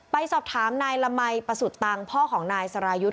ไปสอบถามนายละมัยประสุทธิตังพ่อของนายสรายุทธ์